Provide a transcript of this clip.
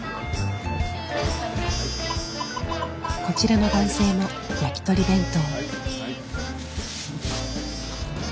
こちらの男性もやきとり弁当。